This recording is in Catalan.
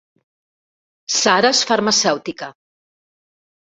Sara és farmacèutica